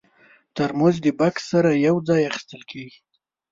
ترموز د بکس سره یو ځای اخیستل کېږي.